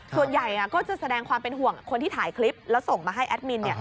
ส่วนใหญ่ก็จะแสดงความเป็นห่วงคนที่ถ่ายคลิปแล้วส่งมาให้แอดมิน